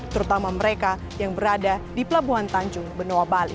terutama mereka yang berada di pelabuhan tanjung benoa bali